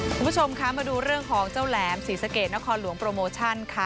คุณผู้ชมคะมาดูเรื่องของเจ้าแหลมศรีสะเกดนครหลวงโปรโมชั่นค่ะ